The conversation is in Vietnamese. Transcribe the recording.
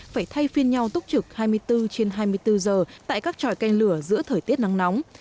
phải thay phiên nhau túc trực hai mươi bốn trên hai mươi bốn giờ tại các tròi canh lửa giữa thời tiết nắng nóng